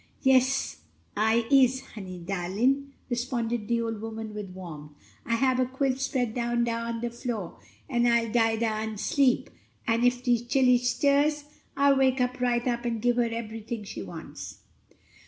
"Yes, I is, honey darlin'," responded the old woman with warmth. "I'll hab a quilt spread down dar on de flo', and I'll lie dar an' sleep, an' ef de chile stirs I'll wake right up and gib her eberyting she wants."